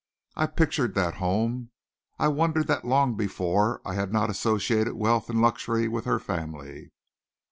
I pictured that home. I wondered that long before I had not associated wealth and luxury with her family.